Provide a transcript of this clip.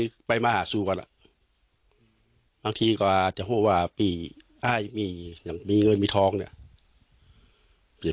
ก็ไปมาหาสู้กันแหละบางทีก็อาจจะหัวว่าปี่อ้ายมียังมีเงินมีท้องเนี่ย